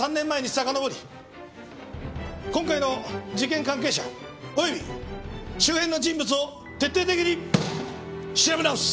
今回の事件関係者及び周辺の人物を徹底的に調べ直す！